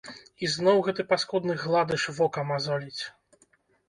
І зноў гэты паскудны гладыш вока мазоліць.